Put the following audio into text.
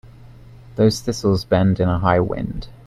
Those thistles bend in a high wind.